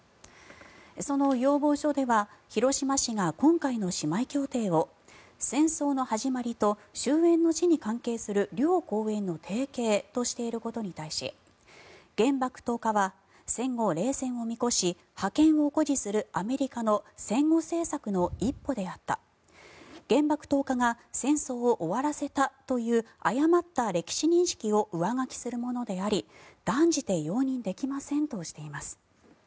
その要望書では広島市が今回の姉妹協定を戦争の始まりと終えんの地に関係する両公園の提携としていることに対し原爆投下は戦後冷戦を見越し覇権を誇示するアメリカの戦後政策の一歩であった原爆投下が戦争を終わらせたという誤った歴史認識を上書きするものであり断じて容認できませんとしています。